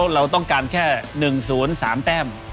เราต้องการแค่๑๐๓แต้ม